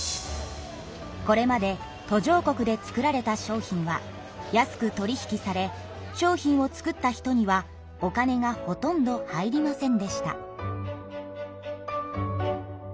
これまで途上国で作られた商品は安く取り引きされ商品を作った人にはお金がほとんど入りませんでした。